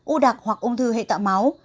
u đặc hoặc ung thư hệ tạo máu